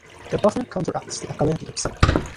The buffer counteracts the alkalinity of soap.